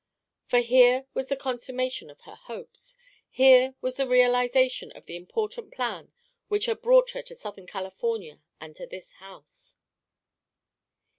For here was the consummation of her hopes; here was the realization of the important plan which had brought her to Southern California and to this house.